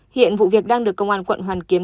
hiện vụ việc đang được công an quận hoàn kiếm